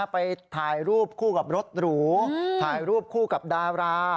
ไปถ่ายรูปคู่กับรถหรูถ่ายรูปคู่กับดารา